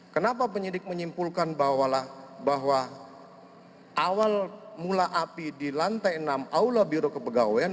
kenapa penyidik menyimpulkan bahwa awal mula api di lantai enam aula biro kepegawaian